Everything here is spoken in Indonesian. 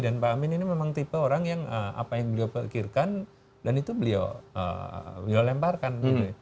pak amin ini memang tipe orang yang apa yang beliau pikirkan dan itu beliau lemparkan